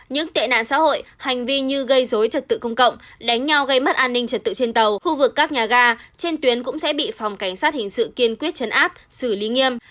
những tệ nạn xã hội hành vi như gây dối trật tự công cộng đánh nhau gây mất an ninh trật tự trên tàu khu vực các nhà ga trên tuyến cũng sẽ bị phòng cảnh sát hình sự kiên quyết chấn áp xử lý nghiêm